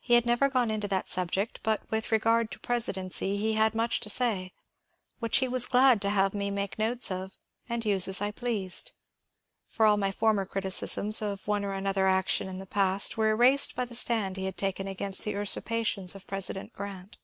He had never gone into that subject, but with regard to presidency he had much to say, which he was glad to have me make notes of and use as I pleased. For all my former criticisms of one or another action in the past were erased by the stand he had taken against the usurpations of President Grant.